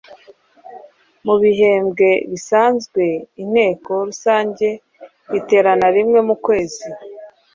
mu bihembwe bisanzwe inteko rusange iterana rimwe mu kwezi